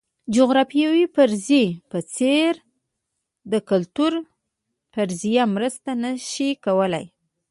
د جغرافیوي فرضیې په څېر د کلتور فرضیه مرسته نه شي کولای.